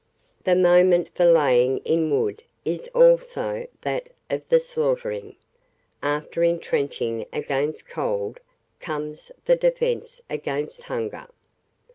The moment for laying in wood is also that of the slaughtering. After entrenching against cold comes the defence against hunger.